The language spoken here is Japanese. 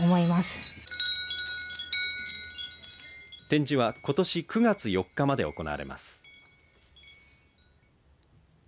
展示はことし９月４日まで行われます。